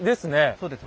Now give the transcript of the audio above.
そうです。